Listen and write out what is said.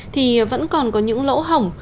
thì vẫn còn có những lỗ hổng